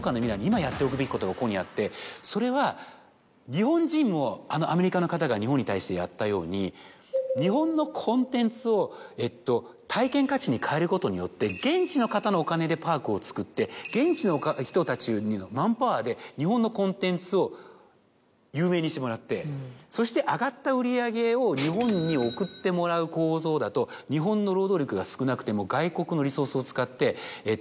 ここにあってそれは日本人もアメリカの方が日本に対してやったように日本のコンテンツを体験価値にかえることによって現地の方のお金でパークを造って現地の人たちのマンパワーで日本のコンテンツを有名にしてもらってそして上がった売り上げを日本に送ってもらう構造だと日本の労働力が少なくても外国のリソースを使って。